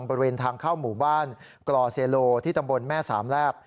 บริเวณทางเข้าหมู่บ้านกลอเซโลที่ตำบลแม่สามแลบ